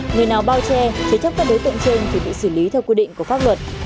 người nào bao che chế chấp các đối tượng trên thì bị xử lý theo quy định của pháp luật